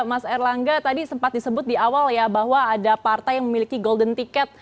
mas erlangga tadi sempat disebut di awal ya bahwa ada partai yang memiliki golden ticket